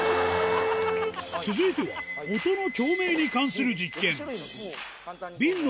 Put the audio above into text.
続いて、音の共鳴に関する実験。